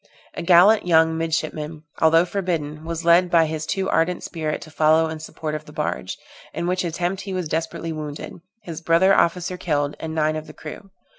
A gallant young midshipman, although forbidden, was led by his too ardent spirit to follow in support of the barge, in which attempt he was desperately wounded, his brother officer killed, and nine of the crew.